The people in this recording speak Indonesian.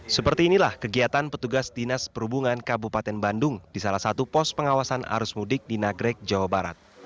seperti inilah kegiatan petugas dinas perhubungan kabupaten bandung di salah satu pos pengawasan arus mudik di nagrek jawa barat